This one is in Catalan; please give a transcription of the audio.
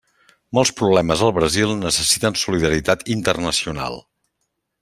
Molts problemes al Brasil necessiten solidaritat internacional.